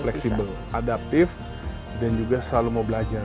fleksibel adaptif dan juga selalu mau belajar